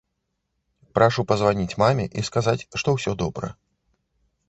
Прашу пазваніць маме і сказаць, што ўсё добра.